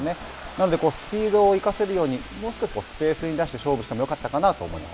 なので、スピードを生かせるように、もう少しスペースに出して勝負してもよかったかなと思いま